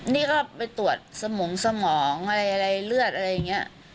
นี่ก็ไปตรวจสมองสมองอะไรเลือดอะไรอย่างนี้